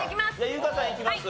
優香さんいきます？